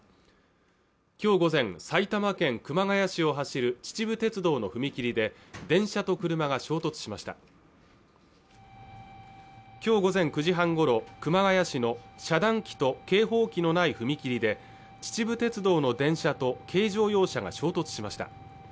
きょう午前、埼玉県熊谷市を走る秩父鉄道の踏切で電車と車が衝突しましたきょう午前９時半ごろ熊谷市の遮断機と警報機のない踏切で秩父鉄道の電車と軽乗用車が衝突しました